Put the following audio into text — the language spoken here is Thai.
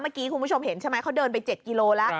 มันกีคุณผู้ชมเห็นใช่ไหมเค้าเดินไป๗กิโล